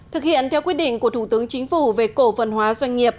thực hiện theo quyết định của thủ tướng chính phủ về cổ phần hóa doanh nghiệp